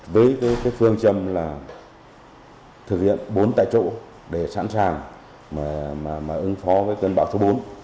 với phương châm là thực hiện bốn tại chỗ để sẵn sàng ứng phó với cơn bão số bốn